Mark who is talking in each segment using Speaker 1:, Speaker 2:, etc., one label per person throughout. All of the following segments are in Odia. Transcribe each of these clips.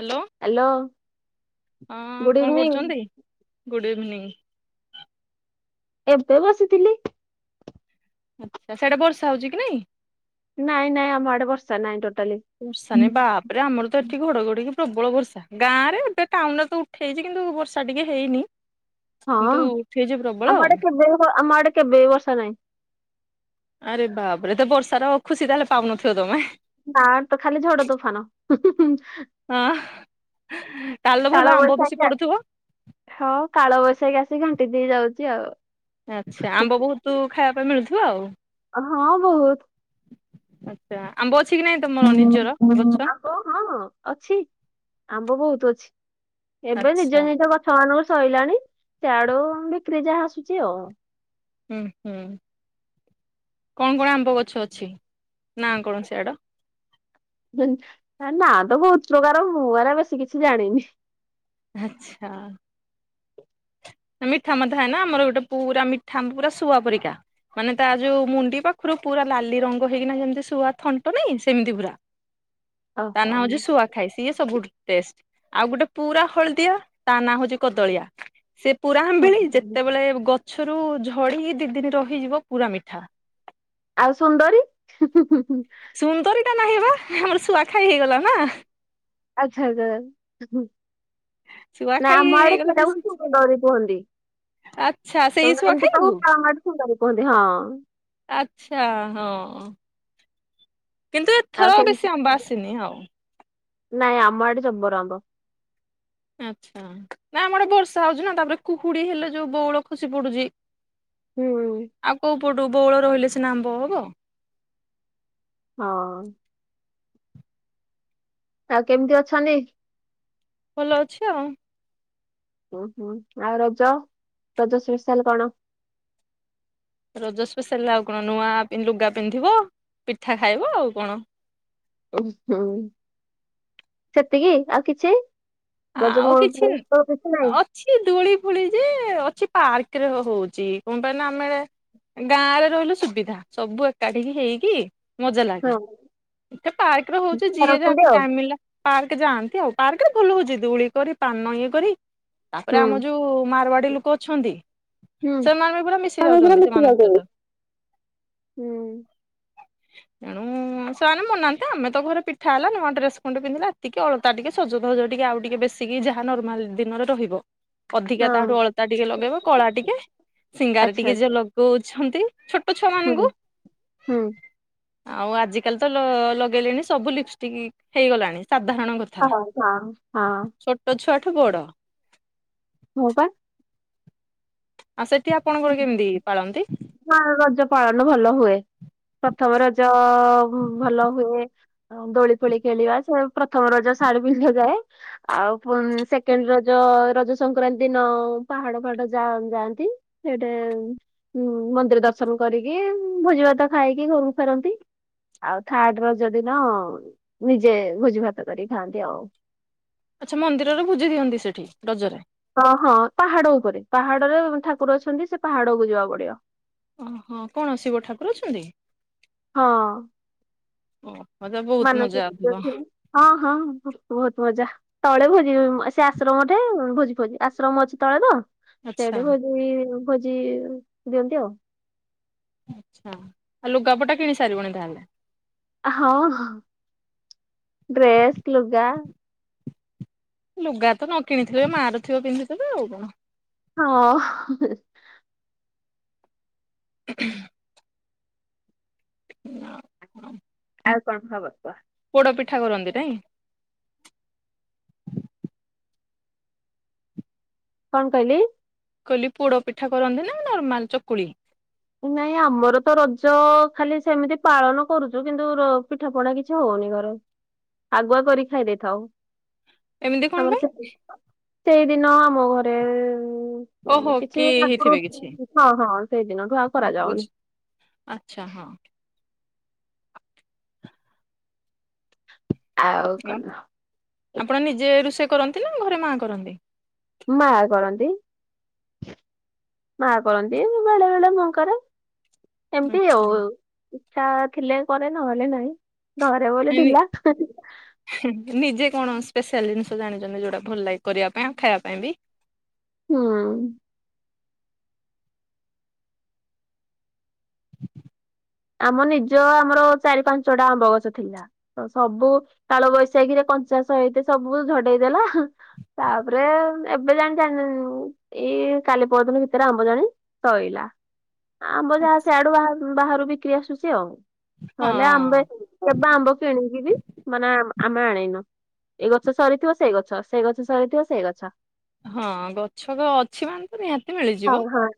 Speaker 1: ହ୍ୟାଲୋ ହଁ
Speaker 2: ଗୁଡ୍
Speaker 1: କଣ
Speaker 2: ଇଭିନିଂ
Speaker 1: କରୁଛନ୍ତି ଗୁଡ଼୍ ଇଭିନିଂ।
Speaker 2: ଏବେ ବସିଥିଲି।
Speaker 1: ଆଚ୍ଛା ସିଆଡେ ବର୍ଷା ହଉଛି କି ନାଇଁ?
Speaker 2: ନାଇଁ ନାଇଁ ଆମ ଆଡେ ବର୍ଷା ନାଇଁ ଟୋଟାଲି।
Speaker 1: ବର୍ଷା ନାଇଁ ବାପରେ ଆମର ତ ଏଠି ଘଡଘଡି କି ପ୍ରବଳ ବର୍ଷା ଗାଁରେ ଏବେ ଟାଉନ୍ ରେ ତୁ ସେଇଠି କିନ୍ତୁ ବର୍ଷା ଟିକଏ ହେଇନି।
Speaker 2: ହଁ
Speaker 1: କିନ୍ତୁ ଉଠେଇଛି ପ୍ରବଳ
Speaker 2: ଆମ
Speaker 1: ଆଉ।
Speaker 2: ଆଡେ କେବେ ବି ଆମ ଆଡେ କେବେ ଵି ବର୍ଷା ନାହିଁ।
Speaker 1: ଆରେ ବାପରେ ତ ବର୍ଷାରା ଖୁସି ତାହେଲେ ପାାବନଥିବ ତମେ।
Speaker 2: ଆର ତ ଖାଲି ଝଡ ତୋଫାନ।
Speaker 1: ହଁ ତାହେଲେ ଭଲ ଆମ୍ବ ବେଶୀ
Speaker 2: କାଳବୈଶାଖୀ ଟା।
Speaker 1: ପଡୁଥିବ?
Speaker 2: ହଁଉ କାଳ ବୈଶାଖି ଆସିିକି ଘାଣ୍ଟି ଦେଇ ଯାଉଚି ଆଉ।
Speaker 1: ଆଚ୍ଛା ଆମ୍ବ ବହୁତ ଖାଇବା ପାଇଁ ମିଳୁଥୁବ ଆଉ?
Speaker 2: ହଁ ବହୁତୁ୍।
Speaker 1: ଆଛା ଆମ୍ବ ଅଛି କି ନାହିଁ ତମର ନିଜର ଗଛ?
Speaker 2: ଓ ହଁ ଅଛି ଆମ୍ବ ବହୁତ ଅଛି ଏବେ
Speaker 1: ଆଚ୍ଛା
Speaker 2: ନିଜ ନିଜଗ ଛୟା ନଵେ ସଇଲାଣି ସିଆଡୁ ବିକ୍ରି ଯାହା ଆସୁଚି ଆଉ।
Speaker 1: ହୁଁ ହୁଁ କଣ କଣ ଆମ୍ବ ଗଛ ଅଛି ନା କଣ ସିଆଡ?
Speaker 2: ନା ତ ବହୁତ୍ ପ୍ରକାର ମୁଁ ଏରା ବେଶୀ କିଛି ଜାଣିନି।
Speaker 1: ଆଚ୍ଛା। ମିଠା ଆମର ଥାଏ ନା ଆମର ଗୋଟେ ପୁରା ମିଠା ପୁରା ଶୁଆ ପରିକା। ମାନେ ତା ଯୋଉ ମୁଣ୍ଡି ପାଖରୁ ପୁରା ଲାଲି ରଙ୍ଗ ହେଇକିନା ଯେମିତି ଶୁଆ ଥଣ୍ଟ ନାଇଁ ସେମିତି ପୁରା। ତା ନାଁ ହଉଛି ସୁଆ। ଖାଇ ସିଏ ସବୁଠୁ ଟେଷ୍ଟ ଆଉ ଗୋଟେ ପୁରା ହଳଦିଆ ତା ନାଁ ହଉଛି କଦଳିଆ। ସେ ପୁରା ଆମ୍ଭେଳି
Speaker 2: ଓହୋ।
Speaker 1: ଯେତେବେଳେ ଗଛରୁ ଝଡିକି ଦି ଦିନି ରହିଯିବ ପୁରା ମିଠା।
Speaker 2: ଆଉ ସୁନ୍ଦରୀ।
Speaker 1: ସୁନ୍ଦରୀଟା ନାହିଁ ବା ଶୁଆଖାଇ ହେଇଗଲା ନା?
Speaker 2: ଆଚ୍ଛା ଆଚ୍ଛା।
Speaker 1: ଶୁଆ
Speaker 2: ନା
Speaker 1: ଖାଇ
Speaker 2: ଆମ ଆଡେ
Speaker 1: ହେଇଗଲା ଯେ
Speaker 2: ସେଟାକୁ ସୁନ୍ଦରି କୁହନ୍ତି।
Speaker 1: ଆଚ୍ଛା
Speaker 2: ତମ
Speaker 1: ସେଇ
Speaker 2: ଆଡେ
Speaker 1: ଶୁଆ
Speaker 2: ଏମିତି
Speaker 1: ଖାଇବୁ
Speaker 2: କହୁ ଆଉ ଆମ ଆଡେ ସୁନ୍ଦରି କୁହନ୍ତି ହଁ।
Speaker 1: ଆଚ୍ଛା ହଁ କିନ୍ତୁ
Speaker 2: ଆଉ
Speaker 1: ଏଥର
Speaker 2: କେମିତି
Speaker 1: ବେଶୀ ଆମ୍ବ ଆସିନି ହଉ।
Speaker 2: ନାଇଁ ଆମ ଆଡେ ଜବର ଆମ୍ବ।
Speaker 1: ଆଛା ନା ଆମଆଡେ ବର୍ଷା ହଉଛି ନା ତାପରେ କୁହୁଡି ହେଲେ ଯୋଉ ବେଉଳ ଖସି ପଡୁଚି।
Speaker 2: [inaudible]
Speaker 1: ଆଉ କୋଉ ପଟୁ ବଉଳ ରହିଲେ ସିନା ଆମ୍ବ ହବ।
Speaker 2: ହଁ। ଆଉ କେମିତି ଅଛନ୍ତି?
Speaker 1: ଭଲ ଅଛି ଆଉ।
Speaker 2: ବୋହୁତ୍ ବୋହୁତ୍ ଆଉ ରଜ ରଜ ଶ୍ପେ ଶାଲ କଣ?
Speaker 1: ରଜ ସ୍ପେଶାଲ ଆଉ କଣ ନୂଆ ଲୁଗା ପିନ୍ଧିବ ପିଠା ଖାଇବ ଆଉ କଣ?
Speaker 2: ଉଁ ହୁଁ ସେତିକି ଆଉ କିଛି? ରଜ କଁ କୋଉ ଥ କିଛି ନାହିଁ?
Speaker 1: ସିଏ ଦୋଳି ଫୋଳି ଯେ ଅଛି ପାର୍କ ରେ ହଉଚି କଁ ପାଇଁ ନାଁ ଆମେ ଗାଁ ରେ ରହିଲୁ ସୁବିଧା ସବୁ ଏକାଠିିକି ହେଇକି? ମଜା ଲାଗେ
Speaker 2: ହଁ
Speaker 1: ଏ ପାର୍କ ରେ ହଉଚି
Speaker 2: ପିଠା
Speaker 1: ଯିଏ
Speaker 2: ରଖନ୍ତି
Speaker 1: ଯାହାକୁ
Speaker 2: ଆଉ
Speaker 1: ଟାଇମିଳିଲା। ପାର୍କ ଯାଆନ୍ତି ଆଉ ପାର୍କ ରେ ଭଲ ହଉଛି ଦେଳି କରି ପାନ ଇଏ କରି ତାପରେ
Speaker 2: ହୁଁ
Speaker 1: ଆମର ଯୋଉ ମାରୁଆଡି ଲୋକ ଅଛନ୍ତି।
Speaker 2: ହୁଁ।
Speaker 1: ସେମାନେ ବି ପୁରା
Speaker 2: ତା
Speaker 1: ମିଶି
Speaker 2: ଭିତରେ
Speaker 1: ଯାଉଛନ୍ତି
Speaker 2: ମିଶି
Speaker 1: ସେମାନଙ୍କ
Speaker 2: ଯାଉଛନ୍ତି
Speaker 1: ସହିତ।
Speaker 2: ହୁଁ
Speaker 1: ଏଣୁ ହୁଁ ସେମାନେ ମନାନ୍ତି ଆମେ ତ ଘରେ ପିଠା ହେଲା ନୂଆ ଡ୍ରେସ ଖଣ୍ଡେ ପିନ୍ଧିଲା ଏତିକି ଅଳତା ଟିକେ ସଜ ଧଜ ଟିକେ ଆଉ ଟିକେ ବେଶିକି ଯାହା ନର୍ମାଲ ଦିନରେ ରହିବ। ଅଧିକା ତାଠୁ
Speaker 2: ହଁ
Speaker 1: ଅଳତା ଟିକେ ଲଗେଇବ କଳା ଟିକେ ସିଙ୍ଗାରେ
Speaker 2: ଆଚ୍ଛା
Speaker 1: ଟିକେ ଯ
Speaker 2: ଆଚ୍ଛା
Speaker 1: ଲଗ କହୁଛନ୍ତି ଛୋଟ ଛୁଆ ମାନ୍
Speaker 2: ହୁଁ ହୁଁ।
Speaker 1: ଆଉ ଆଜିକାଲି ତ ଲ ଲଗେଇଲେଣି ସବୁ ଲିପଷ୍ଟିକ ହେଇଗଲାଣି ସାଧାରଣ ଘରେ
Speaker 2: ହଉ ହଁ ହଁ।
Speaker 1: ଛୋଟ ଛୁଆଠୁ ବଡ଼।
Speaker 2: ହଁ ବା।
Speaker 1: ଆ ସେଠି ଆପଣଙ୍କର କେମିତି ପାଳନ୍ତି?
Speaker 2: କୁଆଁ ରଜ ପାଳନ ଭଲ ହୁଏ। ପ୍ରଥମ ରଜ ଭଲ ହୁଏ। ଅମ୍ ଦୋଳି ଫୋଳି ଖେଳିବା ସେ ପ୍ରଥମ ରଜ ଶାଢୀ ପିନ୍ଧା ଯାଏ। ଆଉ ପୁଣ ସେକେଣ୍ଡ ରଜ ରଜ ସଂକ୍ରାନ୍ତି ଦିନ ପାହାଡ ଫାହିଡ ଯା ଯାଆନ୍ତି। ସେଇଟେ ମନ୍ଦିର ଦର୍ଶନ କରିକି ଭୋଜି ଭାତ ଖାଇକି ଘରୁକୁ ଫେରନ୍ତି। ଆଉ ଥାର୍ଡ ରଜ ଦିନ ନିଜେ ଭୋଜି ଭାତ କରିକି ଖାଆନ୍ତି ଆଉ।
Speaker 1: ଆଚ୍ଛା ମନ୍ଦିରରେ ଭୁଜି ଦିଅନ୍ତି ସେଠି ରଜରେ?
Speaker 2: ଅ ହଁ ପାହାଡ ଉପରେ ପାହାଡରେ ଠାକୁର ଅଛନ୍ତି ସେ ପାହାଡକୁୁ ଯିବାକୁ ପଡିବ।
Speaker 1: ଓହୋ କଣ ଶିବ ଠାକୁର ଅଛନ୍ତି?
Speaker 2: ହଁ।
Speaker 1: ଓ ମଦବ
Speaker 2: ମାନସିକ କରିଥିଲି ହଁ ହଁ ବହୁତ ମଜା। ତଳେ ଭୋଜି ମ ସେ ଆଶ୍ରମଟେ ଭୋଜି ଫୋଜି ଆଶ୍ରମ ଅଛି ତଳେ ତ
Speaker 1: ଆଚ୍ଛା।
Speaker 2: ସେଇଠି ଭୋଜି ଫୋଜି ଦିଅନ୍ତି ଆଉ।
Speaker 1: ଆଚ୍ଛା ଆ ଲୁଗାପଟା କିଣି ସାରିବନି ତାହେଲେ।
Speaker 2: ହଁ ହଁ ଡ୍ରେସ୍, ଲୁଗା।
Speaker 1: ଲୁଗା ତ ନ କିଣିଥିଲେ ମାଆର ଥିବ ପିନ୍ଧିଦେବେ ଆଉ କଣ?
Speaker 2: ହଁ ହେ ହେ ଆଉ କଣ ଖବର କୁହ?
Speaker 1: ପୋଡ ପିଠା କରନ୍ତି ନାଇଁ?
Speaker 2: କଣ କହିଲି?
Speaker 1: କହିଲି ପୋଡ ପିଠା କରନ୍ତି ନା ନର୍ମାଲ ଚକୁଳି?
Speaker 2: ନାଇଁ ଆମର ତ ରଜ ଖାଲି ସେମିତି ପାଳନ କରୁଚୁ କିନ୍ତୁ ର ପିଠା ପଣା କିଛି କିଛି ହଉନି ଘରେ। ଆଗୁଆ କରି ଖାଇ ଦେଇଥାଅ।
Speaker 1: ଏମିତି କଣ
Speaker 2: ଆମର
Speaker 1: ପାଇଁ
Speaker 2: ସେପଟ ସେଇଦିନ ଆମ ଘରେ
Speaker 1: ଓହୋ
Speaker 2: କିଛି
Speaker 1: କି
Speaker 2: ଆଗୁରୁ
Speaker 1: ହେଇଥିବେ କିଛି
Speaker 2: ହଁ ହଁ ସେଇଦିନଠୁ ଆଉ କରାଯାଉନି
Speaker 1: ବୁଝି ଆଚ୍ଛା ହଁ।
Speaker 2: ଆଉ କଣ?
Speaker 1: ଆପଣ ନିଜେ ରୁଷେଇ କରନ୍ତି ନା ଘରେ ମାଆ କରନ୍ତି।
Speaker 2: ମା କରନ୍ତି। ମା କରନ୍ତି ବେଳେ ବେଳେ ମୁଁ କରେ। ଏମତି
Speaker 1: ଆଚ୍ଛା।
Speaker 2: ଆଉ ଇଛା ଥିଲେ କରେ ନହେଲେ ନାଇଁ। ନହେରେ ମୋର ଢିଲା।
Speaker 1: ନିଜେ କଣ ସ୍ପେଶାଲ ଜିନିଷ ଜାଣିଚନ୍ତି ଯୋଉଟା ଭଲ ଲାଗେ କରିବା ପାଇଁ ଆଉ ଖାଇଆ ପାଇଁ ବି?
Speaker 2: ହୁଁ ଉଁ। ଆମ ନିଜ ଆମର ଚାରି ପାଞ୍ଚଟା ଆମ୍ବଗଛ ଥିଲା। ତ ସବୁ କାଳବୈଶାଖୀରେ କଞ୍ଚା ଶଇତେ ସବୁ ଝଡ଼େଇଦେଲା। ତାପରେ ଏବେ ଜାଣିଣି ଏଇ କାଲି ପଦିନ ଭିତରେ ଆମ୍ବ ଜାଣି ସଇଲା। ଆମ୍ବ ଯାହା ସେଆଡ଼ୁ ବାହା ବାହାରୁ ବିକ୍ରି ଆସୁଛି ଆଉ ନହେଲେ
Speaker 1: ହଁ
Speaker 2: ଆମ୍ବ କେବେ ଆମ୍ବ କିଣିକି ବି ମାନେ ଆମ୍ ଆମେ ଆଣିନୁ। ଏଇ ଗଛ ସରିଥିବ ସେଇ ଗଛ ସେ ଗଛ ସରିଥିବ ସେ ଗଛ।
Speaker 1: ହଁ ଗଛ ତ ଅଛି ମାନେ ତ ନିହା
Speaker 2: ହାଉ ହାଁ।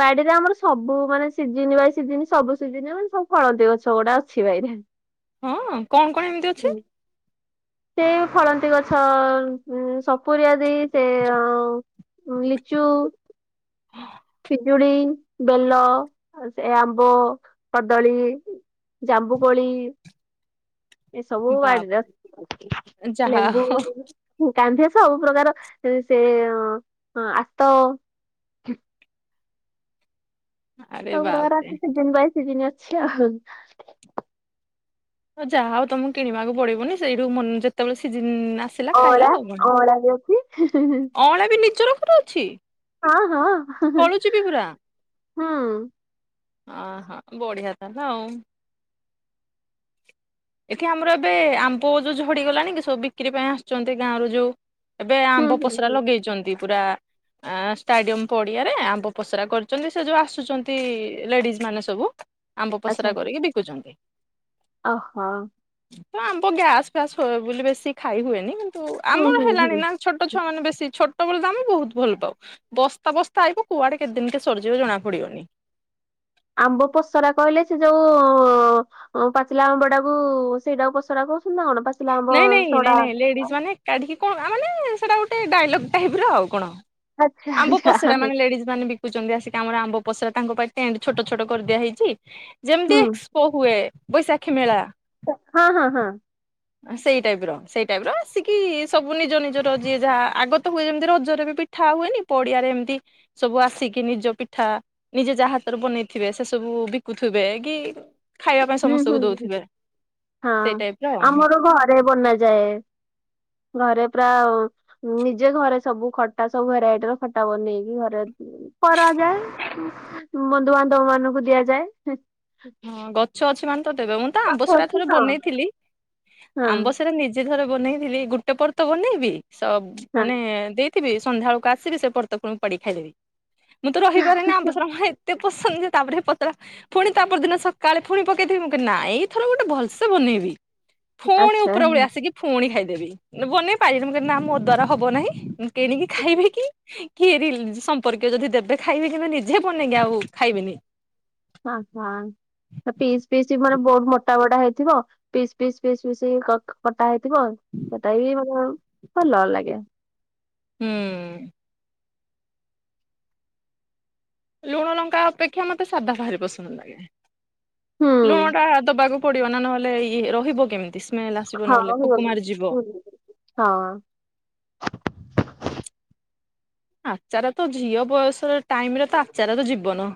Speaker 2: ବାଡ଼ିରେ ଆମର ସବୁ ମାନେ ସିଜିନି ବାଇ ସିଜିିନି ସବୁ ସିଜିନ ମାନେ ସବୁ ଫଳନ୍ତି ଗଛ ଗୁଡ଼ା ଅଛି ବାଇରେ।
Speaker 1: ହଁ କଣ କଣ ଏମିତି ଅଛି?
Speaker 2: ହୁଁ। ସେ ଫଳନ୍ତି ଗଛ ଉ ସପୁରି ଆଦି ସେ ଅ ଲିଚୁ।
Speaker 1: ହୁଁ
Speaker 2: ପିଜୁଳି ବେଲ ଆ ସେ ଆମ୍ବ କଦଳୀ। ଜାମ୍ବୁକୋଳି। ଏ ସବୁ
Speaker 1: ବାପ
Speaker 2: ବାଡ଼ିରେ ଅ ଲେମ୍ବୁ।
Speaker 1: ଯାହା
Speaker 2: କାନ୍ଧିଆ ସବୁ ପ୍ରକାର ସେ ଆତ
Speaker 1: ଆରେ
Speaker 2: ସବୁ ପ୍ରକାର
Speaker 1: ବାପରେ
Speaker 2: ସିଜିନ୍ ବାଇ ସିଜିନ୍ ଅଛି ଆଉ।
Speaker 1: ଯାହା ହଉ ତମକୁ କିଣିବାକୁ ପଡ଼ିବନି ସେଇଠୁ ମୁନ୍ ଯେତେବେଳେ ସିଜିନ୍ ଆସ୍
Speaker 2: ଅଁଳା ଅଁଳା ବି ଅଛି।
Speaker 1: ଅଁଳା ବି ନିଜ ରଖରୁ ଅଛି?
Speaker 2: ହଁ ହଁ ହୁଁ।
Speaker 1: ଫଳୁଛି ବି ପୁରା ଅହ ବଢ଼ିଆ ତାହେଲେ ଆଉ। ଏଠି ଆମର ଏବେ ଆମ୍ବ ଯୋଉ ଝଡ଼ିଗଲାଣି କି ସବୁ ବିକ୍ରି ପାଇଁ ଆସୁଛନ୍ତି ଗାଁ ରୁ ଯୋଉ ଏବେ
Speaker 2: ହୁଁ
Speaker 1: ଆମ୍ବ
Speaker 2: ହୁଁ
Speaker 1: ପସରା
Speaker 2: ହୁଁ
Speaker 1: ଲଗେଇଛନ୍ତି ପୁରା। ଆଁ ଷ୍ଟାଡିୟମ୍ ପଡ଼ିଆରେ ଆମ୍ବ ପସରା କରୁଛନ୍ତି ସେ ଯେଉ ଆସୁଚନ୍ତି ଲେଡ଼ିଜ ମାନେ ସବୁ ଆମ୍ବ ପସରା କରିକି ବିକୁଛନ୍ତି।
Speaker 2: ଅହୋ।
Speaker 1: ନା ଆମ୍ବ ଗ୍ୟାସ୍ ଫ୍ୟାସ୍ ହୁଏ ବୋଲି ବେଶୀ ଖାଇ ହୁଏନି କିନ୍ତୁ
Speaker 2: ହୁଁ
Speaker 1: ଆମର
Speaker 2: ହୁଁ ହୁଁ
Speaker 1: ହେଲାଣି ନା। ଛୋଟ ଛୁଆ ମାନ ବେଶୀ ଛୋଟ ବେଲେ ତ ଆମେ ବୋହୁତ ଭଲ ପାଉ। ବସ୍ତା ବସ୍ତା ଆଇିବ କୁଆଡ଼େ କେତେଦିନ୍ କେ ସରିଯିବ ଜଣା ପଡ଼ିବନି।
Speaker 2: ଆମ୍ବ ପସରା କହିଲେ ସେ ଯୋଉ ଅ ପାଚିଲା ଆମ୍ବ ଟାକୁ ସେଇଟାକୁ ପସରା କହୁଛନ୍ତି ନା କଣ ପାଚିଲା ଆମ୍ବ ସଢ଼ା?
Speaker 1: କାଢ଼ିକି କଣ ଆ ମାନେ ସେଇଟା ଗୋଟେ ଡାଇଲଗ୍ ଟାଇପ ର ଆଉ କଣ।
Speaker 2: ଆଚ୍ଛା
Speaker 1: ଆମ୍ବ
Speaker 2: ଆଚ୍ଛା
Speaker 1: ପସରା ମାନେ ଲେଡ଼ିଜ ମାନେ ବି କୁଚନ୍ତି ଆସିକି ଆମର ଆମ୍ବ ପସରା ତାଙ୍କ ପାଇଁ ଟେଣ୍ଟ୍ ଛୋଟ ଛୋଟ କରିଦିଆ ହେଇଛି
Speaker 2: ହୁଁ
Speaker 1: ଯେମିତି କୋ ହୁଏ ବୈଶାଖୀ ମେଳା।
Speaker 2: ହଁ ହଁ ହଁ।
Speaker 1: ଆ ସେଇ ଟାଇପ୍ ର ସେଇ ଟାଇପ୍ ର ଆସିକି ସବୁ ନିଜ ନିଜର ଯିଏ ଯାହା ଆଗତ ହୁଏ ଯେମିତି ରଜରେ ବି ପି ଠା ହୁଏନି ପଡ଼ିଆରେ ଏମିତି ସବୁ ଆସିକି ନିଜ ପିଠା ନିଜେ ଯା ହାତରେ ବନେଇଥିବେ ସେ ସବୁ ବିକୁଥିବେ କି ଖାଇବା ପାଇଁ
Speaker 2: ହୁଁ ହୁଁ
Speaker 1: ସମସ୍ତଙ୍କୁ ଦଉଥିବେ ସେଇ
Speaker 2: ହଁ
Speaker 1: ଟାଇପ ର ଆଉ
Speaker 2: ଆମର ଘରେ ବନାଯାଏ। ଘରେ ପ୍ରାଅ ନିଜେ ଘରେ ସବୁ ଖଟା ସବୁ ଭେରାଇଟିର ଖଟା ବନେଇକି ଘରେ କରାଯାଏ ବନ୍ଧୁବାନ୍ଧବ ମାନଙ୍କୁ ଦିଆଯାଏ।
Speaker 1: ହଁ ଗଛ ଅଛି ମାନେ ତ ଦେବେ ମୁଁ ତ ଆମ୍ବ
Speaker 2: ପାଖ
Speaker 1: ସରା
Speaker 2: ଅଛି
Speaker 1: ଥରେ
Speaker 2: ହଁ
Speaker 1: ବନେଇଥିଲି
Speaker 2: ହଁ
Speaker 1: ଆମ୍ବସରା ନି ଥର ବନେଇଥିଲି ଗୋଟେ ପର୍ ତ ବନେଇବି ସବ
Speaker 2: ହଁ
Speaker 1: ମାନେ ଦେଇ ଥିଵି ସନ୍ଧ୍ୟାବେଳକୁ ଆସିବି ସେ [unintelligible] ପୟର୍ତ ପ ପଡି ଖାଈ ଦେବି ମୁଁ ତ ରହିପାରେନି ଆମବର ଏତେ ପସନ୍ଦ ଯେ ତାପରେ ପତଳା ପୁଣି ତା ପରଦିନ ସକାଳେ ପୁଣି ପକେଇଥିବି ମୁଁ ନାଇ ଏଇଥର ଗୋଟେ ଭଲସେ ବନେଇବି ପୁଣି
Speaker 2: ଆଚ୍ଛା
Speaker 1: ଉପର ଭଳି ଆସିକି ପୁଣି ଖାଇଦେବି ବନେଇ ପାରିଲଁ ନା ମୋ ଦ୍ଵାରା ହବ ନାହିଁଁ କିଣିକି ଖାଇବି କି କିରି ସମ୍ପର୍କୀୟ ଯଦି ଦେବେ ଖାଇବେ କି ନିଜେ ବନେଇଗି ଆଉ ଖାଇବିନି
Speaker 2: ହଁ ହଁ। ପିସ୍ ପିସ୍ ମାନେ ବହୁତ ମୋଟା ବୋଟା ହେଇଥିବ ପିସ୍ ପିସ୍ ପିସ୍ ପିସ୍ କଟା ହେଇଥିବ ସେଟା ବି ମତେ ଭଲ ଲାଗେ
Speaker 1: ହୁଁ। ଲୁଣ ଲଙ୍କା ଅପେକ୍ଷା ମତେ ସାଧା ଭାରି ପସନ୍ଦ ଲାଗେ।
Speaker 2: ହୁଁ
Speaker 1: ଲୁଣ ଟା ଦବାକୁ ପଡିବ ନା ନହେଲେ ଇ ରହିବ କେମିତି ସ୍ମେଲ ଆସିବ
Speaker 2: ହଁ
Speaker 1: ନହେଲେ
Speaker 2: ହୁଁ
Speaker 1: ପୋକ ମାରି ଯିବ
Speaker 2: ହୁଁ। ହଁ।
Speaker 1: ଆଚାର ତ ଝିଅ ବୟସର ଟାଇମରେ ତ ଆଚାରର ଜୀବନ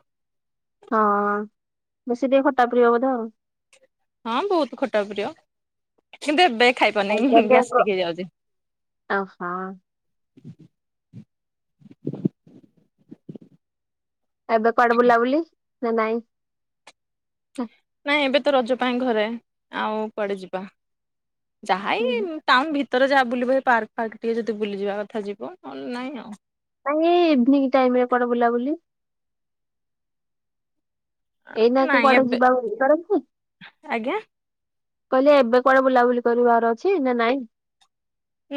Speaker 2: ହଁ ବେଶୀ ଟିକେ ଖଟା ପ୍ରିଅ ବୋଧେ ଆଉ
Speaker 1: ହଁ ବହୁତ ଖଟା ପ୍ରିୟ କିନ୍ତୁ ଏବେ ଖାଇପାରୁନି
Speaker 2: ଆଜ୍ଞା
Speaker 1: ଗ୍ୟାସ
Speaker 2: ଦେବ।
Speaker 1: ଟିକେ ହେଇ ଯାଉଛି
Speaker 2: ଓହୋ ଏବେ କୁଆଡେ ବୁଲାବୁଲି ନା ନାଇଁ?
Speaker 1: ନାଇଁ ଏବେ ତ ରଜ ପାଇଁ ଘରେ ଆଉ କୁଆଡେ ଯିବା ଯାହା ହେଈଁ ଟାଉନ ଭିତରେ ଯାହା ବୁଲିବ ପାର୍କ ଫାର୍କ ଟିକେ ଯଦି ବୁଲିଯିବା କଥା ଯିବ ନାଇଁ ଆଉ
Speaker 2: ନାଇ ଇଭିନିଂ ଟାଇମ ରେ କଣ ବୁଲାବୁଲି ଏଇନା ତ
Speaker 1: ନାଇଁ
Speaker 2: କୁଆଡେ
Speaker 1: ଏବେ
Speaker 2: ଯିବା [unintelligible] ହ କର
Speaker 1: ଆଜ୍ଞା
Speaker 2: କହିଲେ ଏବେ କୁଡେ ବୁଲାବୁଲି କରିବାର ଅଛି ନା ନାଇଁ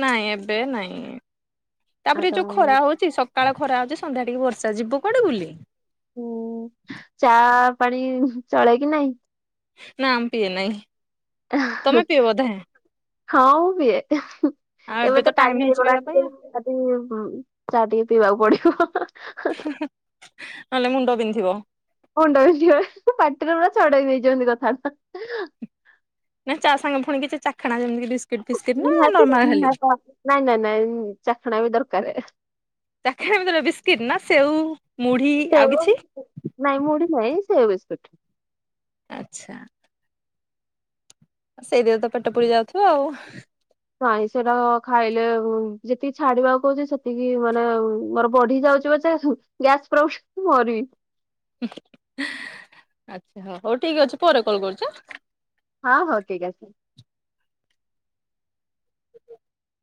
Speaker 1: ନାଇଁ ଏବେ ନାଇଁ
Speaker 2: ଆଉ
Speaker 1: ତାପରେ ଯୋଉ
Speaker 2: ତ
Speaker 1: ଖରା ହଉଛି ସ ସକାଳ ଖରା ହଉଛି ସନ୍ଧ୍ୟା ଟିକେ ବର୍ଷା ଯିବ କୁଆଡେ ବୁଲି
Speaker 2: ହୁଁ ଚା ପାଣି ଚଳେ କି ନାଇଁ
Speaker 1: ନା ଆମ ପିଏ ନାହିଁ
Speaker 2: ହଅ ହଁ ମୁଁ ପିଏ ହଅ
Speaker 1: ଆଉ
Speaker 2: ଏବେ ତ ଟାଇମ
Speaker 1: ହେଇଛି ପିଇବା
Speaker 2: ହେଇଗଲାଣି
Speaker 1: ପାଇଁ
Speaker 2: ଟିକେ ଚା ଟିକେ ପିଇବାକୁ ପଡିବ
Speaker 1: ନହେଲେ ମୁଣ୍ଡ ପିନ୍ଧିବ
Speaker 2: ମୁଣ୍ଡ ପିନ୍ଧିବ ପାଟିରୁ ପୁରା ଛଡେଈ ନେଇଛନ୍ତି କଥା
Speaker 1: ନା ଚା ସାଙ୍ଗେ ପୁଣି କିଛି ଚାଖଣା ଯେମିତି ଫିସ୍କିଟ ନା
Speaker 2: ନିହାତି
Speaker 1: ନର୍ମାଲ ଖାଲି?
Speaker 2: ନାଇଁ ନାଇଁ ନାଇଁ ଚାଖଣା ବି ଦରକାର
Speaker 1: ତାଖଣା [unintelligible] ମେ ବିସ୍କିଟ ନା ସେଉ ମୁଢ଼ୀ
Speaker 2: ସେଓ ନାଇ ମୁଡ଼ି ନାହି ସେଓ ବିସ୍କୁଟ୍
Speaker 1: ଆଚ୍ଛା। ସେଇତିରେ ତ ପେଟ ପୁରି ଯାଉଥିବ ଆଉ
Speaker 2: ନାଇଁ ସେଟା ଖାଇଲେ ଯେତିକି ଛାଡିବାକୁ କହୁଚି ସେତିକି ମାନେ ମୋର ବଢି ଯାଉଛି ପଛେ ଗ୍ୟାସ୍ ପ୍ରୋବ୍ଲେମ୍ ମୋରି
Speaker 1: ଆଛା ହ ହଉ ଠିକ୍ ଅଛି ପରେ କଲ୍ କରୁଚି ହାଁ
Speaker 2: ହଁ ହଉ ଠିକ ଅଛି।